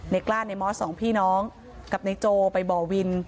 กล้าในมอสสองพี่น้องกับในโจไปบ่อวิน